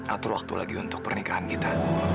atur waktu lagi untuk pernikahan kita